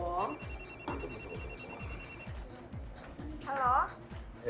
tunggu tunggu tunggu